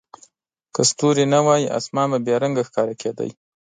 که ستوري نه وای، اسمان به بې رنګه ښکاره کېده.